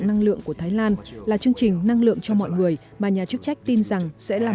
năng lượng của thái lan là chương trình năng lượng cho mọi người mà nhà chức trách tin rằng sẽ làm